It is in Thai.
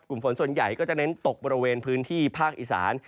ฝนส่วนใหญ่ก็จะเน้นตกบริเวณพื้นที่ภาคอีสาน